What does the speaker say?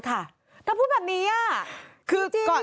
ท่าพูดแบบนี้อ่ะ